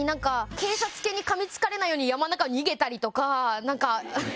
警察犬にかみつかれないように山の中逃げたりとか。